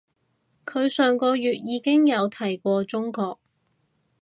佢上個月已經有提過中國